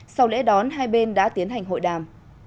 sau lễ đón hai bên đã tiến hành hội đàm